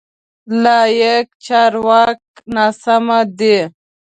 لایق: چارواکی ناسم دی.